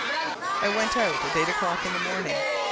I went out at eight o'clock in the morning.